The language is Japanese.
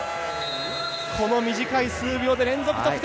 この短い数秒で連続得点。